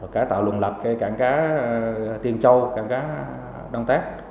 cả tạo luận lập cảng cá tiên châu cảng cá đông tát